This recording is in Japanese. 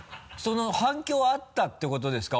反響はあったってことですか？